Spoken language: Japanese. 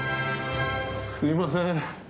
すみません。